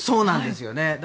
そうなんですよね。